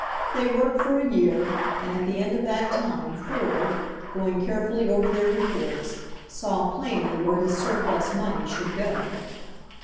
They worked for a year, and at the end of that time Ford, going carefully over their reports, saw plainly where his surplus money should go.